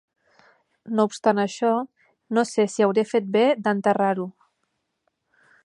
No obstant això, no sé si hauré fet bé d'enterrar-ho.